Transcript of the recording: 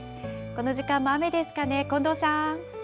この時間も雨ですかね、近藤さん。